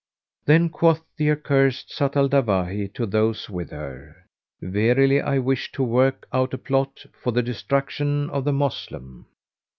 Then quoth the accursed Zat al Dawahi to those with her, "Verily I wish to work out a plot for the destruction of the Moslem."